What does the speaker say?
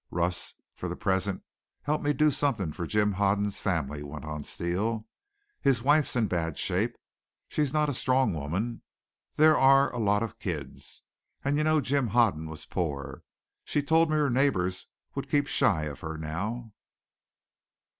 "Russ, for the present help me do something for Jim Hoden's family," went on Steele. "His wife's in bad shape. She's not a strong woman. There are a lot of kids, and you know Jim Hoden was poor. She told me her neighbors would keep shy of her now.